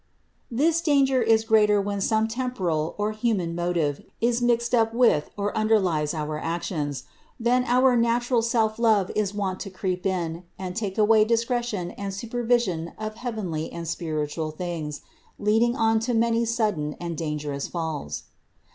This danger is greater when some temporal or human motive is mixed up with or underlies our actions ; for then our natural selflove is wont to creep in and take away discretion and supervi sion of heavenly and spiritual things, leading on to many sudden and dangerous falls.